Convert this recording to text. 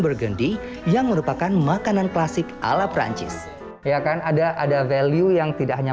burgendi yang merupakan makanan klasik ala perancis ya kan ada ada value yang tidak hanya